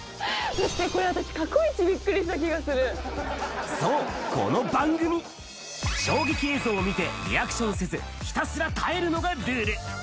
過去一、私これ、びっくりしそう、この番組、衝撃映像を見て、リアクションせず、ひたすら耐えるのがルール。